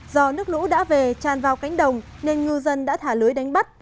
do nước lũ đã về tràn vào cánh đồng nên ngư dân đã thả lưới đánh bắt